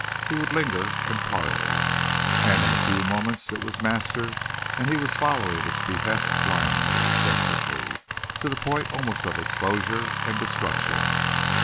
He would linger and parley, and in a few moments it was master and he was following its behest blindly, desperately, to the point almost of exposure and destruction.